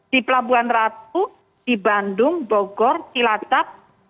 di pelabuhan ratu di bandung bogor cilacap